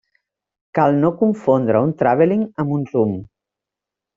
Cal no confondre un tràveling amb un zoom.